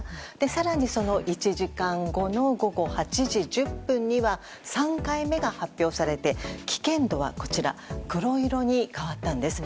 更に、その１時間後の午後８時１０分には３回目が発表されて危険度は黒色に変わったんです。